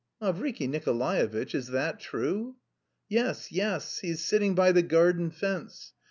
"Mavriky Nikolaevitch? Is that true?" "Yes, yes. He is sitting by the garden fence.